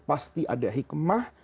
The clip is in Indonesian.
pasti ada hikmah